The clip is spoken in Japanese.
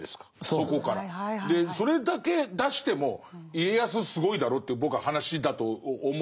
それだけ出しても家康すごいだろうという僕は話だと思うんですよ。